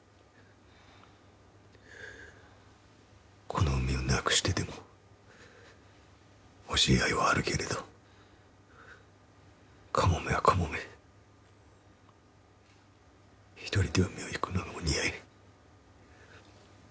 「この海を失くしてでもほしい愛はあるけれどかもめはかもめひとりで海をゆくのがお似合い」。